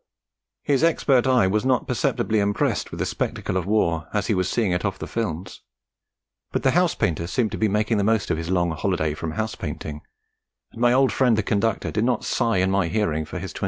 His expert eye was not perceptibly impressed with the spectacle of war as he was seeing it off the films; but the house painter seemed to be making the most of his long holiday from house painting, and my old friend the conductor did not sigh in my hearing for his 28.